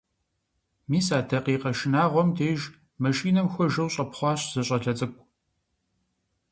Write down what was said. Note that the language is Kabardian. Мис а дакъикъэ шынагъуэм деж машинэм хуэжэу щӀэпхъуащ зы щӀалэ цӀыкӀу.